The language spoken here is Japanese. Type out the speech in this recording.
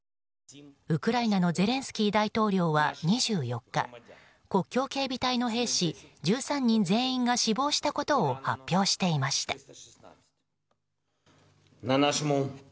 ウクライナのゼレンスキー大統領は２４日国境警備隊の兵士１３人全員が死亡したことを発表していました。